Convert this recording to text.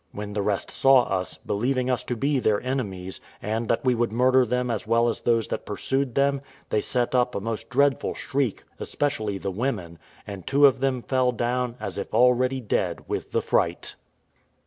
When the rest saw us, believing us to be their enemies, and that we would murder them as well as those that pursued them, they set up a most dreadful shriek, especially the women; and two of them fell down, as if already dead, with the fright.